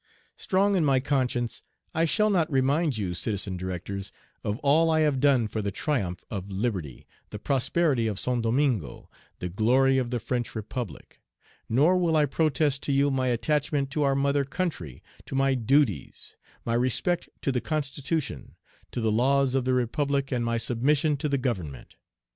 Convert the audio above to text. "Strong in my conscience, I shall not remind you, Citizen Directors, of all I have done for the triumph of liberty, the prosperity of St. Domingo, the glory of the French Republic; nor will I protest to you my attachment to our mother country, to my duties; my respect to the constitution, to the laws of the Page 101 Republic, and my submission to the government.